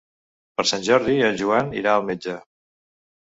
Per Sant Jordi en Joan irà al metge.